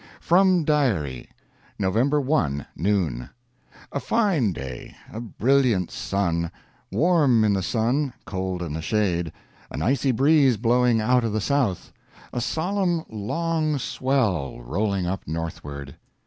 FROM DIARY: November 1 noon. A fine day, a brilliant sun. Warm in the sun, cold in the shade an icy breeze blowing out of the south. A solemn long swell rolling up northward.